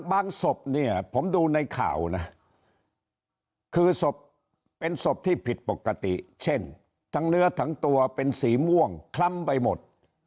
ศพเนี่ยผมดูในข่าวนะคือศพเป็นศพที่ผิดปกติเช่นทั้งเนื้อทั้งตัวเป็นสีม่วงคล้ำไปหมด